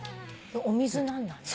お水なんだね？